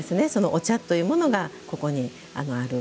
お茶というものがここにある。